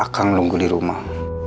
akang nunggu di rumah